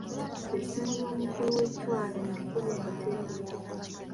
Essimu y'omukulu w'ettwale ngikubye nga teriiko.